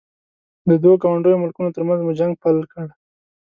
د دوو ګاونډیو ملکونو ترمنځ مو جنګ بل کړ.